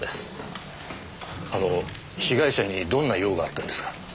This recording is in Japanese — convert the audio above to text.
あの被害者にどんな用があったんですか？